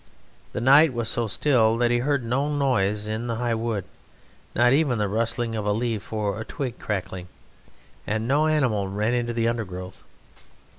The night was so still that he heard no noise in the high wood, not even the rustling of a leaf or a twig crackling, and no animal ran in the undergrowth.